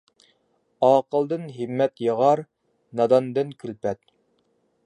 ئاقىلدىن ھىممەت ياغار، ناداندىن كۈلپەت.